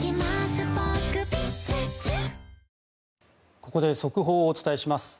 ここで速報をお伝えします。